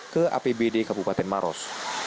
ke apbd kabupaten maros